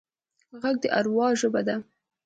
غږ د اروا ژبه ده